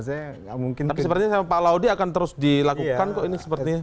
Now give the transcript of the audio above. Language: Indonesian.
tapi sepertinya sama pak laudi akan terus dilakukan kok ini sepertinya